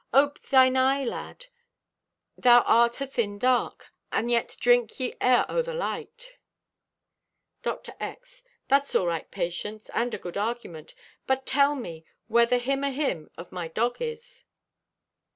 Ope thine eye, lad. Thou art athin dark, and yet drink ye ever o' the light." Dr. X.—"That's all right, Patience, and a good argument; but tell me where the him o' him of my dog is."